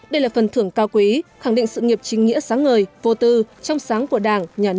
đây là phần thưởng cao quý khẳng định sự nghiệp chính nghĩa sáng ngời vô tư trong sáng của đảng nhà nước và nhân dân ta